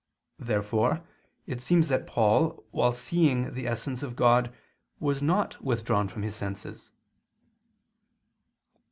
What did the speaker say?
Therefore it seems that Paul, while seeing the essence of God, was not withdrawn from his senses.